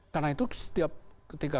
karena itu setiap ketika